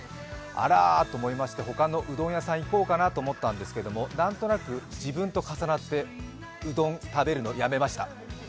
あらと思いまして、他のうどん屋さんに行こうかと思ったんですけど、何となく自分と重なってうどん食べるのやめました。